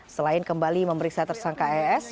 selain kembali memeriksa tersangka es